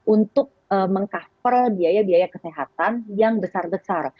untuk meng cover biaya biaya kesehatan yang besar besar